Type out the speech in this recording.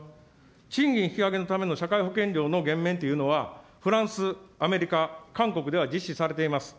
賃金引き上げのための社会保険料の減免というのは、フランス、アメリカ、韓国では実施されています。